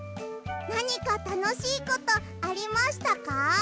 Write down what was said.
なにかたのしいことありましたか？